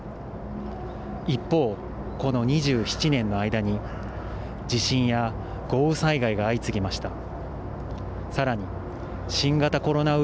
一方、この２７年の間に地震や豪雨災害が相次ぎました。